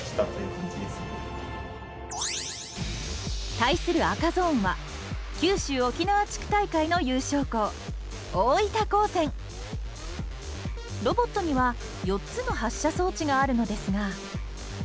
対する赤ゾーンは九州沖縄地区大会の優勝校ロボットには４つの発射装置があるのですが。